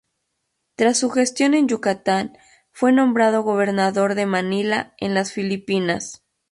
Tras su gestión en Yucatán fue nombrado gobernador de Manila, en las Filipinas.